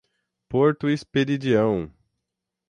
Porto Esperidião